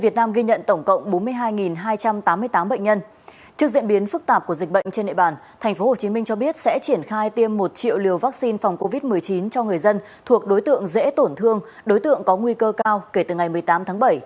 trước diễn biến phức tạp của dịch bệnh trên địa bàn tp hcm cho biết sẽ triển khai tiêm một triệu liều vaccine phòng covid một mươi chín cho người dân thuộc đối tượng dễ tổn thương đối tượng có nguy cơ cao kể từ ngày một mươi tám tháng bảy